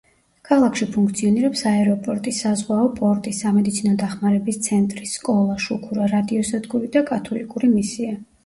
ქალაქში ფუნქციონირებს აეროპორტი, საზღვაო პორტი, სამედიცინო დახმარების ცენტრი, სკოლა, შუქურა, რადიოსადგური და კათოლიკური მისია.